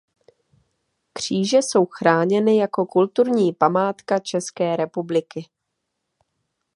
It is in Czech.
Kříže jsou chráněny jako kulturní památka České republiky.